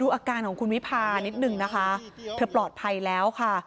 อาการของคุณวิพานิดนึงนะคะเธอปลอดภัยแล้วค่ะ